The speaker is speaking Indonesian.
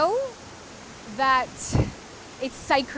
bahwa ini adalah suci